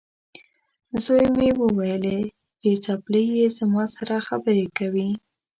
زوی مې وویلې، چې چپلۍ یې زما سره خبرې کوي.